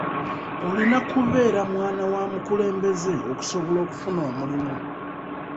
Olina kubeera mwana wa mukulembeze okusobola okufuna omulimu.